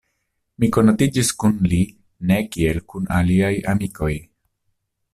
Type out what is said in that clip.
Mi konatiĝis kun li ne kiel kun aliaj amikoj.